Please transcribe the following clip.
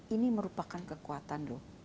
ini merupakan kekuatan loh